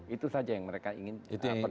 itu saja yang mereka ingin perjuangkan